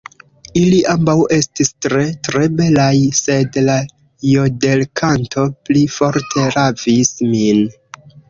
Ili ambaŭ estis tre, tre belaj, sed la jodelkanto pli forte ravis min.